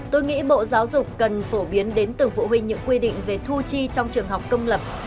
tôi nghĩ bộ giáo dục cần phổ biến đến từng phụ huynh những quy định về thu chi trong trường học công lập